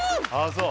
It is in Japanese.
そう？